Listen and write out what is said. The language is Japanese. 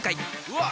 うわ！